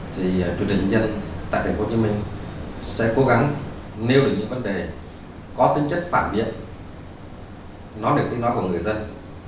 thì truyền hình nhân tại thành phố hồ chí minh sẽ cố gắng nêu được những vấn đề có tính chất phản biệt nó được kết nối với người dân